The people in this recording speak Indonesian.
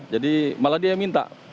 jadi malah dia yang minta